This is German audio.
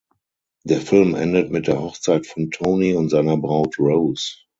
Der Film endet mit der Hochzeit von Tony und seiner Braut Rose.